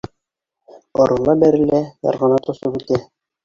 Орола-бәрелә ярғанат осоп үтә